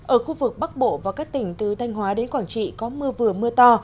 ở khu vực bắc bộ và các tỉnh từ thanh hóa đến quảng trị có mưa vừa mưa to